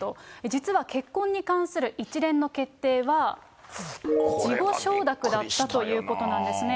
実は結婚に関する一連の決定は、事後承諾だったということなんですね。